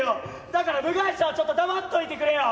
だから部外者はちょっと黙っといてくれよ。